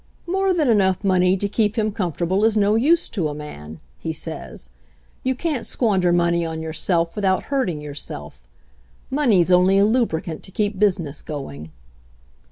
"More than enough money to keep him com fortable is f no use to a man," he says. "You can't squander money on yourself without hurting yourself. Money's only a lubricant to keep busi ness going."